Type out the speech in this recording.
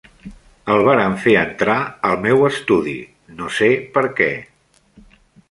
El varen fer entrar al meu estudi, no sé perquè.